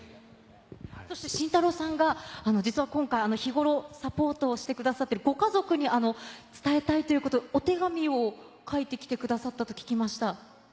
晋太朗さんは日頃サポートをしてくださっているご家族に伝えたいということで、お手紙を書いてきてくださったと聞きました。